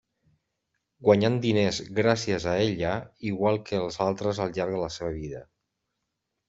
Guanyant diners gràcies a ella igual que els altres al llarg de la seva vida.